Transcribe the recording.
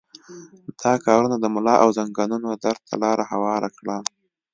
دا کارونه د ملا او زنګنونو درد ته لاره هواره کړه.